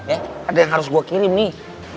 ya ada yang harus gue kirim nih